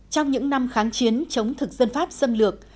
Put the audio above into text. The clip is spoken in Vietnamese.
trong những năm kháng chiến chống thực dân pháp xâm lược